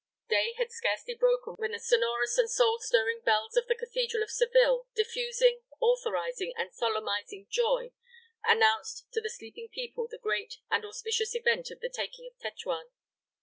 Day had scarcely broken when the sonorous and soul stirring bells of the Cathedral of Seville, diffusing, authorizing, and solemnizing joy, announced to the sleeping people the great and auspicious event of the taking of Tetuan.